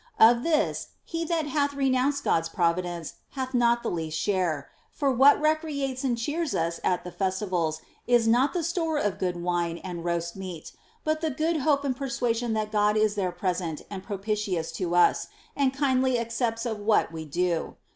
Of this, he that hath renounced God's providence hath not the least share ; for what recreates and cheers us at the festivals is not the store of good wine and roast meat, but the good hope and persuasion that God is there present and propitious to us, and kindly accepts of what we do.